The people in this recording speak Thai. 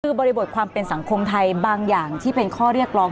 คือบริบทความเป็นสังคมไทยบางอย่างที่เป็นข้อเรียกร้อง